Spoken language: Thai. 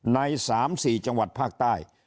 ในสามสี่จังหวัดภาคใต้